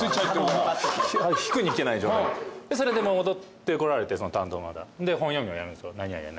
それで戻ってこられて担当の方。で本読みをやるんですけど。